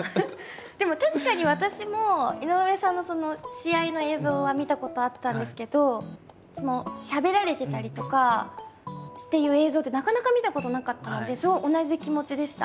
でも確かに私も井上さんの試合の映像は見たことあったんですけどしゃべられてたりとかという映像ってなかなか見たことなかったので同じ気持ちでした。